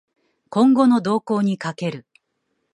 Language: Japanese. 今後の動向に賭ける